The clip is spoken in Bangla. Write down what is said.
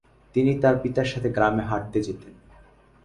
তিনি তার পিতার সাথে গ্রামে হাঁটতে যেতেন।